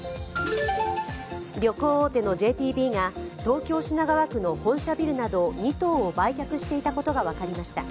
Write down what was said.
旅行大手のＪＴＢが東京・品川区の本社ビルなど２棟を売却していたことが分かりました。